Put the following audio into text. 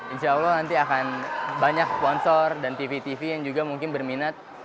insya allah nanti akan banyak sponsor dan tv tv yang juga mungkin berminat